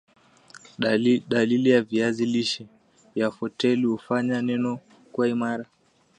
madii ya viazi lishe ya foleti hufanya meno kuwa imara